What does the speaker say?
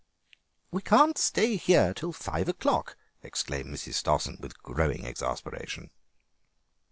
"We can't stay here till five o'clock," exclaimed Mrs. Stossen with growing exasperation.